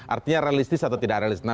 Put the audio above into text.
artinya realistis atau tidak realistis